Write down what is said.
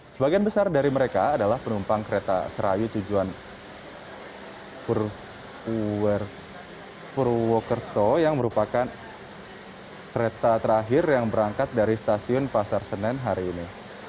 sebagian besar dari mereka adalah penumpang kereta serayu tujuan purwokerto yang merupakan kereta terakhir yang berangkat dari stasiun pasar senen hari ini